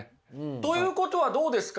ということはどうですか？